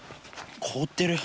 凍ってる。